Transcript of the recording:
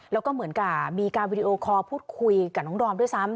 แล้วก็เหมือนกับมีการวิดีโอคอลพูดคุยกับน้องดอมด้วยซ้ำ